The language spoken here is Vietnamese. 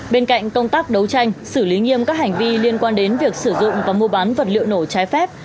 bên cạnh công tác đấu tranh xử lý nghiêm các hành vi liên quan đến việc sử dụng và mua bán vật liệu nổ trái phép